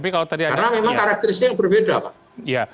karena memang karakteristiknya berbeda